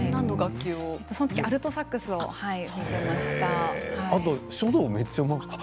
そのときにはアルトサックスをやっていました。